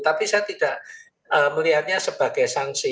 tapi saya tidak melihatnya sebagai sanksi